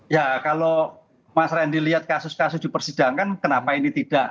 ya kalau mas randy lihat kasus kasus di persidangan kenapa ini tidak